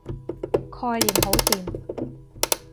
概念好掂